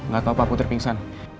gak tau pak putri pingsan